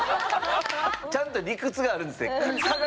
ちゃんと理屈があるんですね。